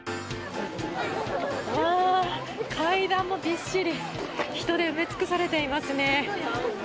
階段もびっしり人で埋め尽くされていますね。